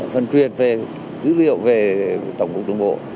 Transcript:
phần truyền về dữ liệu về tổng cục đường bộ